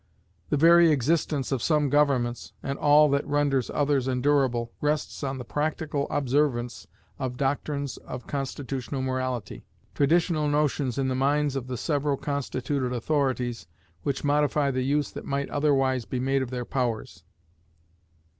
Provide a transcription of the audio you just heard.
The very existence of some governments, and all that renders others endurable, rests on the practical observance of doctrines of constitutional morality; traditional notions in the minds of the several constituted authorities, which modify the use that might otherwise be made of their powers.